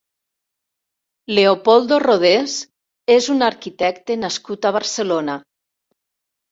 Leopoldo Rodés és un arquitecte nascut a Barcelona.